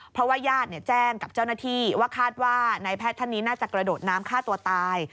เพราะว่าญาติแจ้งกับเจ้าหน้าที่ว่าคาดว่านายแพทย์ท่านนี้น่าจะกระโดดน้ำฆ่าตัวตาย